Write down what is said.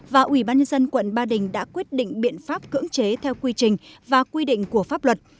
và ubnd quận ba đình đã quyết định biện pháp cưỡng chế theo quy trình và quy định của pháp luật